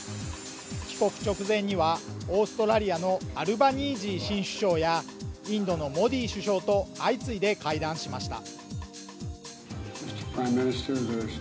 帰国直前にはオーストラリアのアルバニージー新首相やインドのモディ首相と相次いで会談しました。